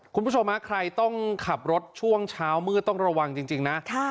คุณผู้ชมใครต้องขับรถช่วงเช้ามืดต้องระวังจริงนะ